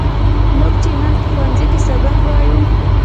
موږ چې نن په ښوونځي کې سبق وایو.